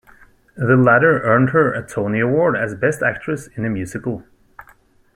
The latter earned her a Tony Award as Best Actress in a Musical.